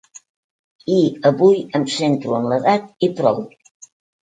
I avui em centro en l’edat i prou.